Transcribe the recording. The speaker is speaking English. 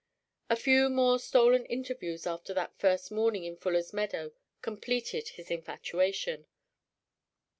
A few more stolen interviews after that first morning in Fuller's Meadow completed his infatuation.